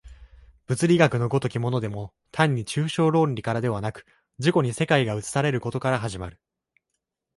物理学の如きものでも単に抽象論理からではなく、自己に世界が映されることから始まる。